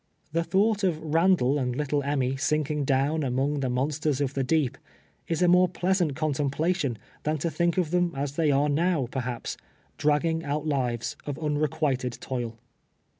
The thouglit of Randall and little Emmy sink ing down among the monsters of the deep, is a more pleasant contemidation than to think of them as they are now, jicrhaps, dragging out lives of unrequited toil.